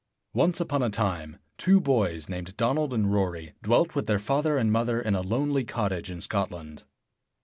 Once upon a time, two boys, named Donald and Rory, dwelt with their father and mother in a lonely cottage in Scotland.